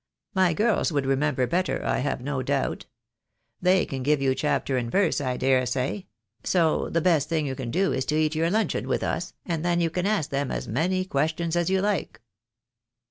My girls would remember better, I have no doubt. They can give you chapter and verse, I daresay; so the best thing you can do is to eat your luncheon with us, and then you can ask them as many questions as you like."